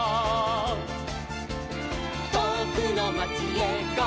「とおくのまちへゴー！